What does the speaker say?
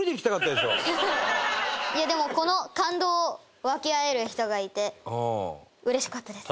いやでもこの感動を分け合える人がいてうれしかったです。